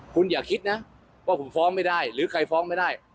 คุณอย่าคิดนะว่าผมฟ้องไม่ได้หรือใครฟ้องไม่ได้